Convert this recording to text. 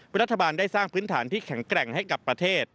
รัฐบาลได้สร้างพื้นฐานที่แข็งแกร่งให้กับประเทศ